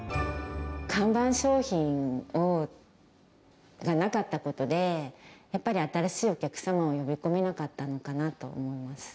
看板商品がなかったことで、やっぱり新しいお客様を呼び込めなかったのかなと思います。